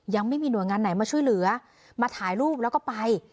ยังไม่มีหน่วยงานไหนมาช่วยเหลือมาถ่ายรูปแล้วก็ไป